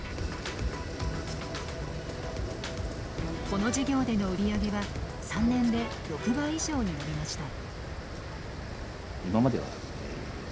この事業での売り上げは３年で６倍以上に伸びました。